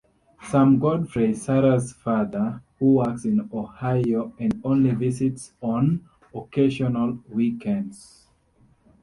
Sam Godfrey: Sara's father, who works in Ohio and only visits on occasional weekends.